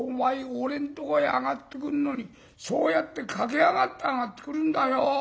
俺んとこへ上がってくんのにそうやって駆け上がって上がってくるんだよ。